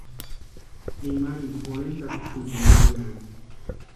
Imarini jorhentʼasti jintini wiriani.